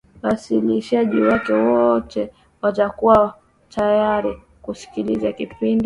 wasikiliaji wako wote watakuwa tayari kusikiliza kipindi